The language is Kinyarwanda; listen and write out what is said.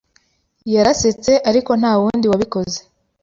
yarasetse, ariko ntawundi wabikoze.